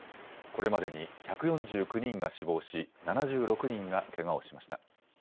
これまでに１４９人が死亡し７６人がけがをしました。